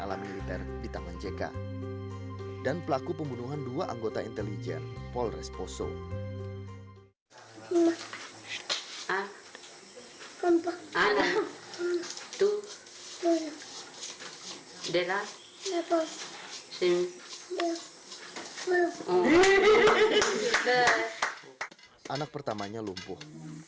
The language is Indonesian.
anak pertama lumpuh